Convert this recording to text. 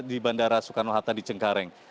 di bandara soekarno hatta di cengkareng